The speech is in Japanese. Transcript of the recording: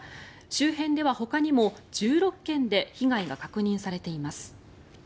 周辺ではほかにも１６軒で被害が確認されています。